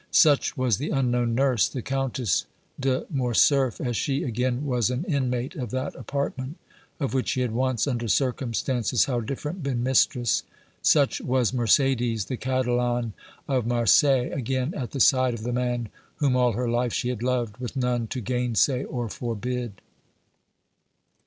Such was the unknown nurse, the Countess de Morcerf, as she again was an inmate of that apartment of which she had once, under circumstances how different, been mistress; such was Mercédès, the Catalane of Marseilles, again at the side of the man whom all her life she had loved, with none to gainsay or forbid!